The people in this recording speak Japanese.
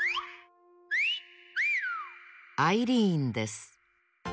アイリーンです。